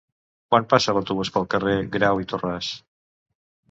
Quan passa l'autobús pel carrer Grau i Torras?